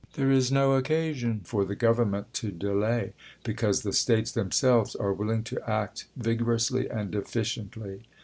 There is no occasion for the Gov ernment to delay, because the States themselves are willing to act vigorously and efficiently.